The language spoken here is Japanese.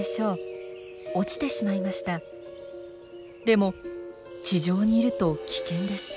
でも地上にいると危険です。